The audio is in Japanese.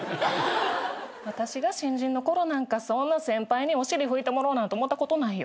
私が新人の頃なんかそんな先輩にお尻拭いてもらおうなんて思ったことないよ。